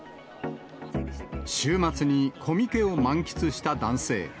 週末にコミケを満喫した男性。